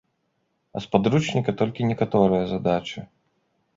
А з падручніка толькі некаторыя задачы.